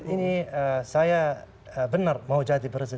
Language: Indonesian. ini saya benar mau jadi presiden